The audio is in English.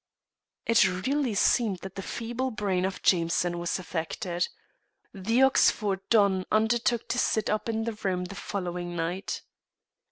It really seemed that the feeble brain of Jameson was affected. The Oxford don undertook to sit up in the room the following night.